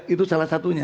itu salah satunya